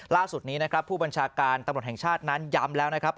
ล่าสุดนี้นะครับผู้บัญชาการตำรวจแห่งชาตินั้นย้ำแล้วนะครับ